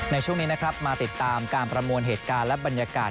ในช่วงนี้นะครับมาติดตามการประมวลเหตุการณ์และบรรยากาศ